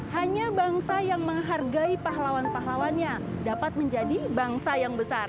hanya bangsa yang menghargai pahlawan pahlawan yang dapat menjadi bangsa yang besar